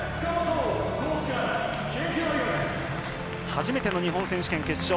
初めての日本選手権決勝。